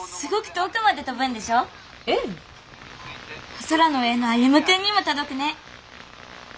お空の上の歩君にも届くね。